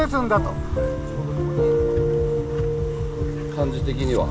感じ的には。